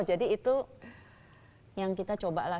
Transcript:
jadi itu yang kita cobalah